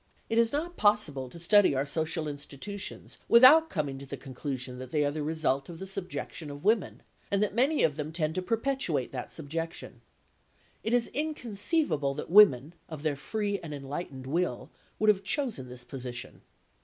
It is not possible to study our social institutions without coming to the conclusion that they are the result of the subjection of women and that many of them tend to perpetuate that subjection. It is inconceivable that women, of their free and enlightened will, would have chosen this position.